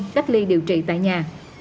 cách ly điều trị tại nhà